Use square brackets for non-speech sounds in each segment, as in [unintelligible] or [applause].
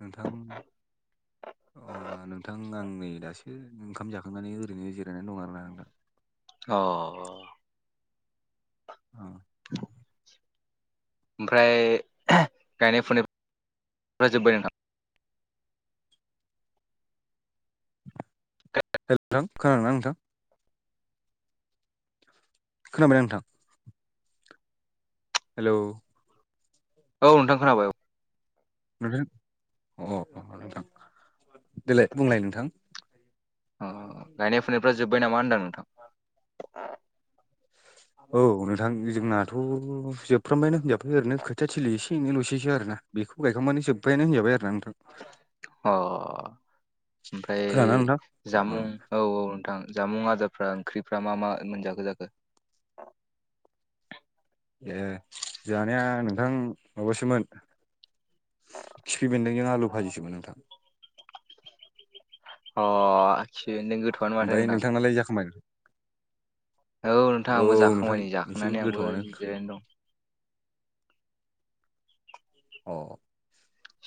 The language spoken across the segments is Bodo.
नोंथां अ नों नोंथां आं नै दासो ओंखाम जाखांनानै ओरैनो जिरायनानै दं आरोना आों दा अ औ ओमफ्राय गायनाय फुनाय जोबबाय न थां हेलौ नोंथां खोनादों ना नोंथां? खोनाबाय नोंथां हेलौ औ नोंथां खोनाबाय औ नथां अ अ नोंथां देलाय बुंलाय नोंथां अ गायनाय फुनायफ्रा जोब्बाय नामा होन्दों नोंथां [inaudible] औ नोंथां जोंनाथ' जोबफ्रामबायानो होनजाबै ओरैनो खोथिा थिलि एसे एैल'ससो आरोना बेखौ गायखांबानो जोब्बायानो होनजाबाय आरो ना नोंथां अ ओमफ्राय खोनादोंना नोंथां जामुं औ औ नोंथां जामुं आदारफ्रा ओंख्रिफ्रा मा मा मोनजाखो जाखो ए जानाया नोंथां माबासोमोन खिफि बेन्दोंजों आलु भाजिसोमोन नोंथां अ [unintelligible] ओमफ्राय नोंथां नोंथाङालाय जाखांबाय औ नोंथां आंबो नोंथां जाखांबाय नै एसे जाखांनानै आंबो गोथौआनो ज जिरायनो दं अ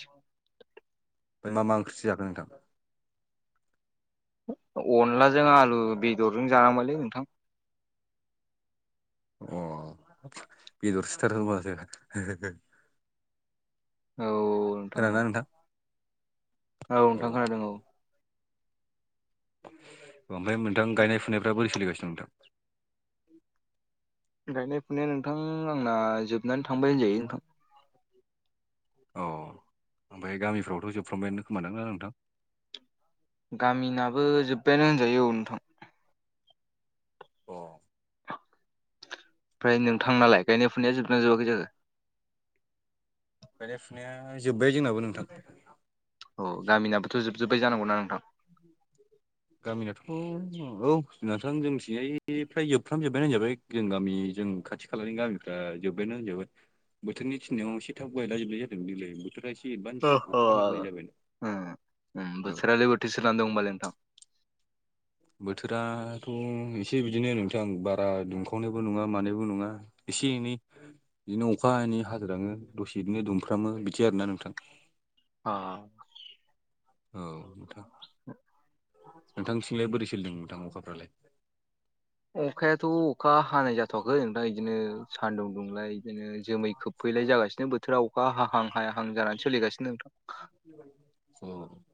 सम मा मा ओंख्रि जो जाखो नोंथां? अनलाजों आलु बेदरजों जानांबायलै नोंथां अ बेदर सिथारहोबासै औ नोंथां औ औ नोंथां खोनादों औ ओमफ्राय नोंथां गनायुनायफ्रा बोरै सोलिगासिनो नोंथां? गायनाय फुनाया नोंथां आंना जोबनानै थांबाय होनजायो नोंथां अ ओमफ्राय गामिफ्रावथ' जोबफ्रांबाय खोमादोंना नोंथां गामिनाबो जोब्बायानो होनजायो औ नोंथां अ ओमफ्राय नोंथांनालाय गायनाय फुनाया जोबबाय ना जोबाखै जाखो गायनाय फुनाया जोब्बाय जोंनाबो नोंथां औ गामिनाबोथ' जोबजोब्बाय जानांगौना नोंथां गामिनिथ' औ जथां जोंथिंजाय फ्राय जोबफ्राम जोबबायनाजाबाय जों गामि जों खाथि खालानि गामिफ्रा जोब्बायानो होनजोबबाय बोथोरनि थिनायाव एसे थाब गायलाजोबलाय जादों देलाय बोथोरा एसे बान्स म होनाय जाबायना औ [unintelligible] थटिसोन दं होनबाल नोंथां बोथोराथ' एसे बिदिनो नोंथां बारा दुंखावनायबो नङा मानायबो नङा एसे एनै [unintelligible] हाग्राङो दसेनो दुमफ्रामो बिदि आरोना नोंथां अ औ नोंथां [inaudible] नोंथांनिथिंजाय बोरै सोलिदों नोंथां अखाफ्रालाय अखायाथ' अखा हानाय जाथ'वाखै नों दा बिदिनो सानदुं दुंलाय बिदिनो जोमै खोब फैलाय जागासिनो बोथोरा अखा हाहां हायाहां जानानै सोलिगासिनो नोंथां [inaudible]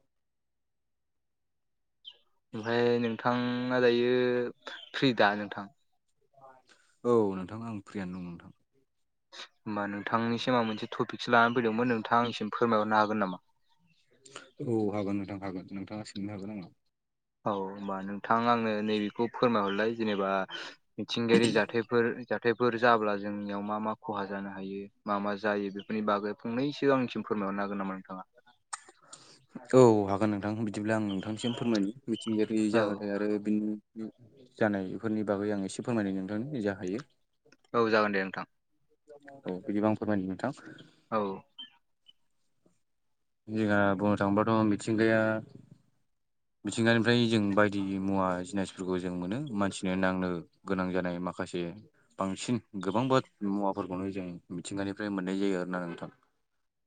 ओमफ्राय नोंथाङा दायो फ्रि दा नोंथां औ नोंथां आं फ्रियान दं नोंथां होमबा नोंथांनिसिम आं मोनसे टपिकसो लानानै फैदोंमोन नोंथाङा आंनिसिम फोरमायहरनो हागोन नामा औ हागोन नोंथां हागोन नोंथाङा सोंनो हागोन आंनाव औ होमबा नोंथां आंनो नैबेखौ फोरमायहरलाय जेनेबा मिथिंगायारि जाथायफोर जाथायफोर जाब्ला जोंनियाव मा मा खहा जानो हायो मा मा जायो बेफोरनि बागै फंनैसो आंंनिसिम फोरमायहरनो हागोन नामा नोंथाङा औ हागोन नोंथां बिदिब्ला आं नोंथांनिसिम फोरमायनो मिथिंगायारि औ जाहोथाय आरो बिनि जानाय बेफोरनि बागै आं एसे फोरमायनाय नोंथांनि जा हायो औ जागोन दे नोंथां औ बिदिबां फोरमायदों नोंथां औ जोंहा बुंनो थाङोबाथ' मिथिंगाया मिथिंगानिफ्राय जों बायदि मुवा जिनिसफोरखौ जों मोनो मानसिनो नांनो गोनां जानाय माखासे बांसिन गोबांबा मुवाफोरखौनो जों मिथिंगानिफ्राय मोननाय जायो आरोना नोंथां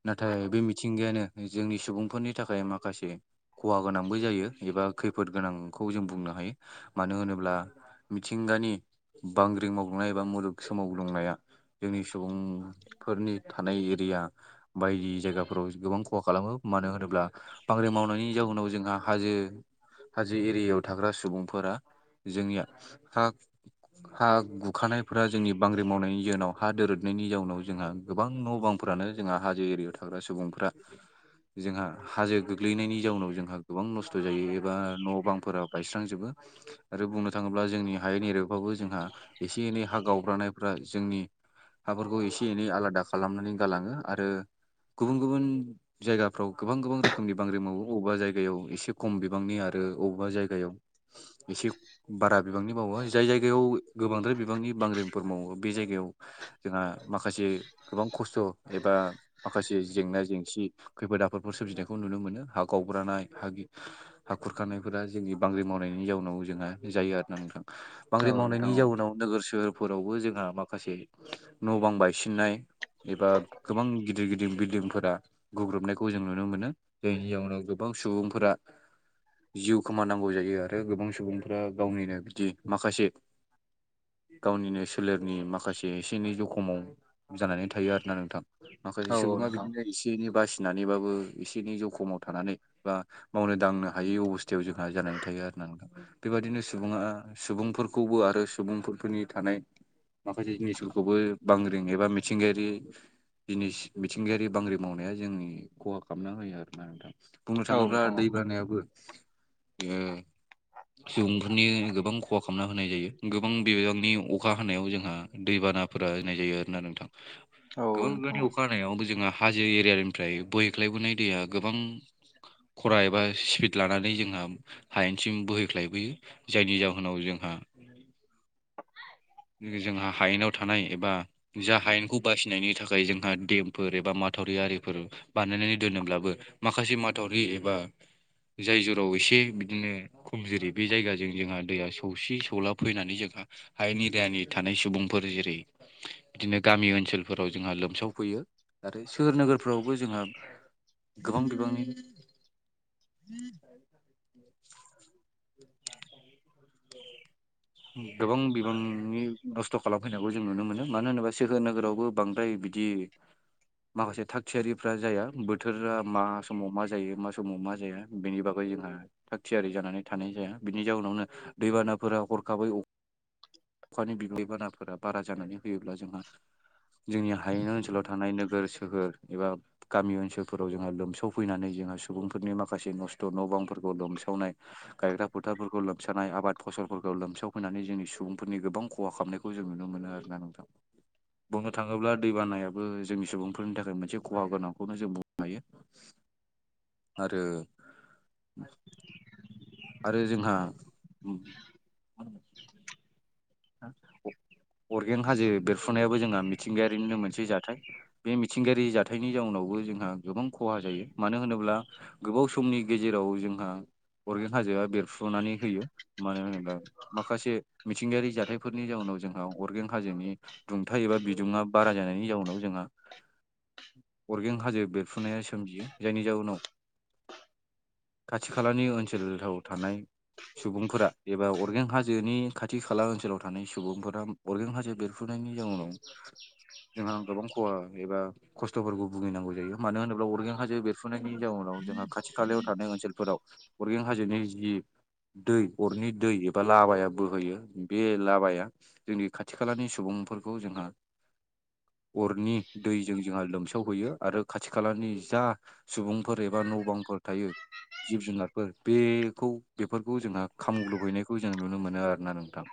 नाथाय बे मिथिंगायानो जोंनि सुबुंफोरनि थाखाय माखासे खहा गोनांबो जायो एबा खैफोद गोनांखौ जों बुंनो हायो मानो होनोब्ला मिथिंगानि बांग्रिं मावग्लुंनाय एबा मुलुग सोमावग्लुंनाया जोंनि सुबुंफोरनि थानाय एरिया बायदि जायगाफोराव गोबां खहा खालामो मानो होनोब्ला बांग्रिं मावनायनि जाउनाव जोंहा हाजो हाजो एरियायाव थाग्रा सुबुं फोरा जोंनिया हा हा गुखानाय फोरा जोंनि बांग्रिं मावनायनि जउनाव हा दोरदनायनि जाउनाव जोंहा गोबां न' बांफ्रानो जोंहा हाजो एरि थायो सुबुंफोरा जोंहा हाजो गोग्लैनायनि जाउनाव जोंहा गोबां नस्थ' खस्थ' जायो एबा न' बांफोरा बायस लांजोबो आरो बुंनो थाङोब्ला जोंनि हायेन एरिबाबो जोंहा एसे एनै हा गावब्रानाय जोंनि हाफोरखौ एसे एनै आलादा खालामनानै गालाङो आरो गुबुन गुबुन जायगाफ्राव गोबां गोबां रोखोमनि बांग्रिं मावो अबेबा जायगायाव एसे खम बिबांनि आरो अबेबा जायगायाव एसे बारा बिबांनि बावो जाय जायगायाव गोबांद्राय बिबांनि बांग्रिंफोर मावो बे जायगायाव जोंहा माखासे गोबां खस्थ' एबा माखासे जेंना जेंसि खैफोद आफोदफोर सोरोमजिनायखौ नुनो मोनो हा गावब्रानाय हा हाखुर खानायफोरा जोंनि बांग्रि मावनायनि जाउनाव जोंहा जायो आरो ना नथां बांग्रि औ नोंथां मावनायनि औ जाउनाव नोगोर सोहोरफोरावबो जोंहा माखासे न' बां बायसिननाय एबा गोबां गिदिर गिदिर बिल्डिंफोरा गुग्रुबनायखौ जों नुनो मोनो जायनि जाउनाव गोबां सुबुंफोरा जिउ खोमानांगौ जायो आरो गोबां सुबुंफोरा गावनिनो बिदि माखासे गावनिनो सोलेरनि माखासे एसे एनै जखमाव जानानै थायो आरोना नोंथां माखासे औ सुबुङा नोंथां बिदिनो एसे एनै बासिनानैबाबो एसे एनै जखमाव थानानै बा मावनो दांनो हायै अबस्थायाव जोंहा जानानै थायो आरोना नोंथां बेबादिनो सुबुङा सुबुंफोरखौबो आरो सुबुंफोरफोरनि थानाय माखासे जिनिसफोरखौबो बांग्रिं एबा मिथिंगायारि जिनिस मिथिंगायारि बांग्रिं मावनाया जोंनि खहा खालामना होयो आरोना नोंथां बुंनो औ थाङोब्ला नोंथां औ दै बानायाबो ए सुबुंफोरनि गोबां खहा खालामना होनाय जायो गोबां बिबांनि अखा हायाव जोंहा दैबानाफोरा होननाय जायो आरो ना नोंथां औ गोबां नोंथां बिबांनि औ अखा हानायावबो जोंहा हाजो एरियानिफ्राय बोहैख्लायबोनाय दैया गोबां खरा एबा स्पिड लानानै जोंहा हायेनसिम बोहैख्लायबोयो जायनि जाहोनाव जोंहा जोंहा हायेनाव थानाय एबा जा हायेनखौ बासिनायनि थाखाय जोंहा देमफोर एबा माथावरि आरिफोर बानायनानै दोनोब्लाबो माखासे माथावरि एबा जाय जेराव एसे बिदिनो खमजुरि बे जायगाजों जोंहा दैया सौसि सौला फैनानै जोंहा हायनि एसियानि थानाय सुबुंफोरा जेरै बिदिनो गामि ओनसोलफोराव जोंहा लोमसावफैयो आरो सोहोर नोगोरफ्रावबो जोंहा गोबां बिबांनि गोबां बिबांनि नस्थ' खालामफैनायखौ जों नुनो मोनो मानो होनोबा सोहोर नोगोरावबो बांद्राय बिदि माखासे थाग थियारिफ्रा जाया बोथोरा मा समाव मा जायो मा समाव मा जाया बेनि बागै जोंहा थाग थियारि जानानै थानाय जाया बिनि जाउनावनो दैबानाफोराव हरखाबै अखानि बिबांफोरा बारा जानानै होयोब्ला जोंहा जोंनि हायेन ओनसोलाव थानाय नोगोर सोहोर एबा गामि ओनसोलफोराव जोंहा लोमसावफैनानै जोंहा सुबुंफोरनि माखासे नस्थ' न' बांफोरखौ लोमसावनाय गायग्रा फोथारफोरखौ लोमसानाय आबाद फसलफोरखौ आव लोमसाव फैनानै जोंनि सुबुंफोरनि गोबां खहा खालामनायखौ जों नुनो मोनो आरोना नोंथां बुंनो थाङोब्ला दै बानायाबो जोंनि सुबुंफोरनि थाखाय मोनसे खहा गोनांखौनो जों बुंनो हायो [inaudible] आरो आरो जोंहा [inaudible] अरगें हाजो बेरफुनायाबो जोंहा मिथिंगायारिनिनो मोनसे जाथाय बे मिथिंगायारि जाथायनि जाउनावबो जोंहा गोबां खहा जायो मानो होनोब्ला गोबाव समनि गेजेराव जोंहा अरगें हाजोआ बेरफ्रु नानै होयो मानो होनोब्ला माखासे मिथिंगायारि जा हाथायफोरनि जाउनाव जोंहा अरगें हाजोनि दुंथाय एबा बिदुङा बारा जानायनि जाउनाव जोंहा अरगें हाजो बेरफुनाया सोमजियो जायनि जाउनाव खाथि खालानि ओनसोलाव थानाय सुबुंफोरा एबा अरगें हाजोनि खाथि खाला ओनसोलाव थानाय सुबुंफोरा अरगें हाजो बेरफुनायनि जाउनाव जोंहा गोबां खहा एबा खस्थ'फोरखौ भुगिनांगौ जायो मानो होनोब्ला अरगें हाजो बेर फुनायनि जाउनाव जोंहा खाथि खालायाव थानाय ओनसोलफोराव अरगें हाजोनि जि दै अरनि दै एबा लाबाया बोहैयो बे लाबाया जोंनि खाथि खालानि सुबुंफोरखौ जोंहा अरनि दैजों जोंहा लोमसावहैयो आरो खाथि खालानि जा सुबुंफोर एबा न' बांफोर थायो जिब जुनारफोर बेखौ बेफोरखौ जोंहा खामब्लं हैनायखौ जोंङो नुनो मोनो आरोना नोंथां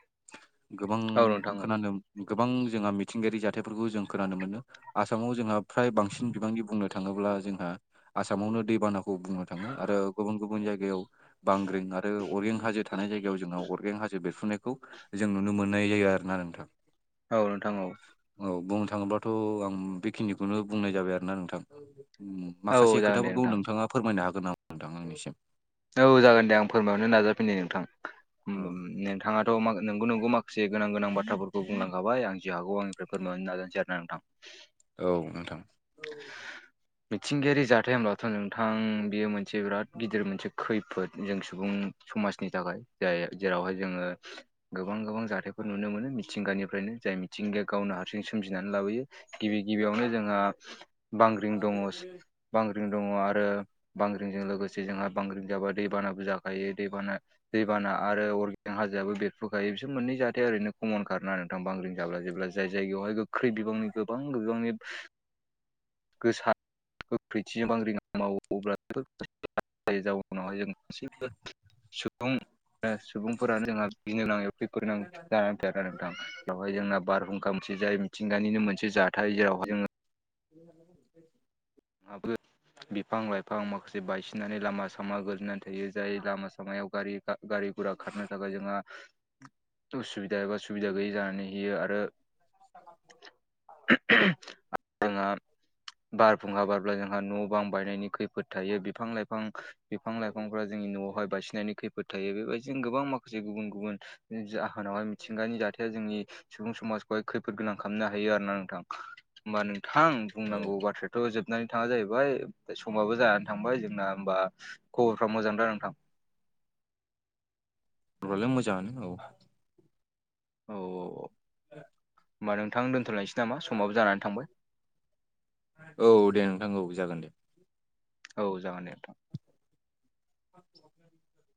गोबां औ नोंथां औ खोनानो गोबां जोंहा मिथिंगायारि जाथायफोरखौ जों खोनानो मोनो आसामाव जोंहा फ्राय बांसिन बिबांनि बुंनो थाङोब्ला जोंहा आसामावनो दैबानाखौ बुंनो थाङो आरो गुबुन गुबुन जायगायाव बांग्रिं आरो अरगें हाजो थानाय जायगायाव जोङो अरगें हाजो बेरफ्रुनायखौ जों नुनो मोननाय जायो आरोना नोंथां। औ नोंथां औ। औ बुंनो थाङोब्लाथ' आं बेखिनिखौनो बुंनाय जाबाय आरोना नोंथां। उम औ औ माखासे जागोन दे खोथाफोरखौ नोंथां नोंथाङा फोरमायनो हागोन नामा नोंथां आंनिसिम? औ जागोन दे आं फोरमाय हरनो नाजाफिन्नि नोंथां [unintelligible] नों थाङाथ' मा नोंगौ नोंगौ माखासे गां गोनां बाथ्राफोरखौ बुंलांखाबाय आं जि हागौ आंनिफ्राय फोरमाय हरनो नाजानसै आरोना नोंथां। [inaudible] औ नोंथां। मिथिंगायारि जाथाय होनब्लाथ' नोंथां बेयो मोनसे बिराद गिदिर मोनसे खैफोद जों सुबुं समाजनि थाखाय जाय जेरावहाय जोङो गोबां गोबां जाथायफोर नुनो मोनो मिथिंगानिफ्रायनो जाय मिथिंगाया गावनो हारसिं सोमजिनानै लाबोयो। गिबि गिबियावनो जोंहा बांग्रिं दङस। बांग्रिं दङ आरो बांग्रिंजों लोगोसे जोंहा बांग्रिं जाबा दैबानाबो जाखायो। दैबाना दैबाना आरो अर्गें हाजोआबो बेरफ्रुखायो बिसोर मोननै जाथाया ओरैनो कमन खा आरना नों थां बांग्रिं जाब्ला जेब्ला जाय जायगायावहाय गोख्रै बिबांनि गोबां बिबांनि गोसा गोख्रैथिजों बांग्रि मावोब्ला बो जाउनावहाय जों गासैबो सुबुं सुबुंफोरानो जोंहा गिनो गोनां एबा खैफोद गोनां जाना [unintelligible] नोंथां बेवहाय जोंना बारहुंखा मोनसे जाय मिथिंगानिनो मोनसे जाथाय जेरावाय जोङो [inaudible] आबो बिफां लाइफां माखासे बायसिननानै लामा सामा गोजोनानै थायो जाय लामा सामायाव गारि गा गारि गुरा खारनो थाखाय जोंहा उसुबिदा एबा सुबिदा गैयै जानानै होयो आरो [unintelligible] आं आर फुंहा बारब्ला जोंहा न' बां बायनायनि खैफोद थायो बिफां लाइफां बिफां लाइफांफ्रा जोंनि न'आवहाय बायसिननायनि खैफोद थायो बेबायदिजों गोबां माखासे गुबुन गुबुन जाहोनावहाय मिथिंगानि जाथाया जोंनि सुबुं समाजखौहाय खैफोद गोनां खामनो हायो आरो ना नोंथां। होमबा नोंथां औ बुंनांगौ बाथ्रा होबनानै थाङा जाहैबाय ओमफ्राय समाबो जानानै थांबाय जोंना। होमबा खबरफ्रा मोजां दा नोंथां? ब्रलाय मोजाङानो औ। औ औ औ। होमबा नोंथां दोनथ'लायसै नामा? समाबो जानानै थांबाय। औ दे नोंथां औ जागोन दे। औ जागोन दे नोंथां। [inaudible]